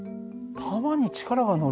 弾に力が乗る？